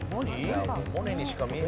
モネにしか見えない。